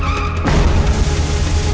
ya udah aku nelfon